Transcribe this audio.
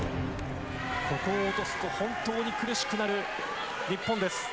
ここを落とすと本当に苦しくなる日本です。